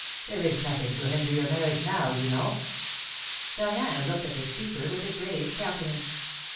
There is nothing to hinder your marriage now, you know." Diana looked at the speaker with a grave countenance.